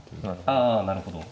ああなるほど。